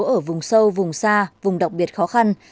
ở vùng sâu vùng xa vùng đặc biệt khó khăn